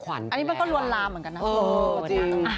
อันนี้มันก็ลวนลามเหมือนกันนะคุณ